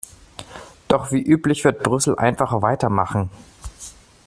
Doch wie üblich wird Brüssel einfach weitermachen.